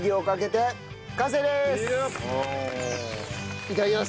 いただきます。